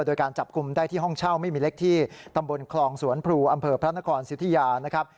โดยการจับกลุ่มได้ที่ห้องเช่าไม่มีเล็กที่ตำบลคลองสวนพลูอำเภอพระนครสิทธิยานะครับ